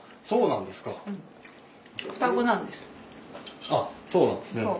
そうなんですね。